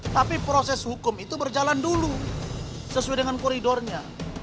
tapi proses hukum itu berjalan dulu sesuai dengan koridornya